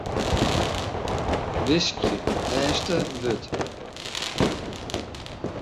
Wiskje lêste wurd.